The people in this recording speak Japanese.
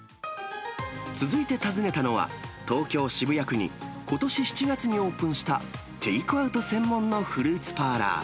続いて訪ねたのは、東京・渋谷区にことし７月にオープンした、テイクアウト専門のフルーツパーラー。